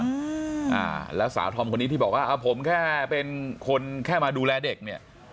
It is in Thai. อ่าแล้วสาวธอมคนนี้ที่บอกว่าอ่าผมแค่เป็นคนแค่มาดูแลเด็กเนี่ย